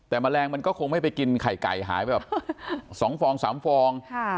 แต่แมลงมันก็คงไม่ไปกินไข่ไก่หายไปแบบสองฟองสามฟองค่ะ